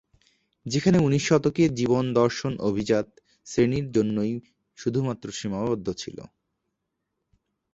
যেখানে উনিশ শতকের জীবন দর্শন অভিজাত শ্রেণীর জন্যই শুধুমাত্র সীমাবদ্ধ ছিলো।